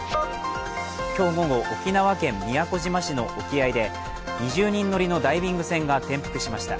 今日午後、沖縄県宮古島市の沖合で２０人乗りのダイビング船が転覆しました。